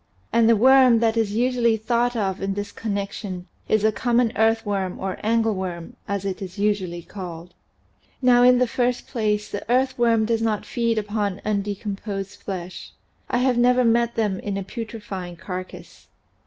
And the worm that is usually thought of in this connection is the common earthworm or angleworm as it is usually called. Now in the first place the earthworm does not feed upon undecomposed flesh; I have never met them in a putre fying carcass.